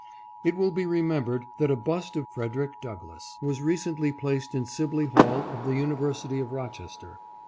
"It will be remembered that a bust of Frederick Douglass was recently placed in Sibley Hall of the University of Rochester.